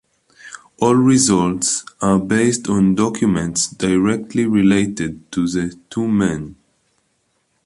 All results are based on documents directly related to the two men.